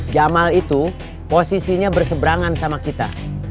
jamal itu posisinya berseberangan sama kita